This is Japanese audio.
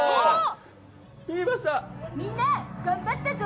みんな頑張ったゾ！